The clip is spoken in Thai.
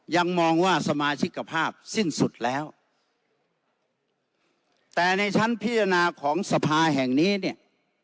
ยังมองว่าสมาชิกภาพสิ้นสุดแล้วแต่ในชั้นพิจารณาของสภาแห่งนี้เนี่ย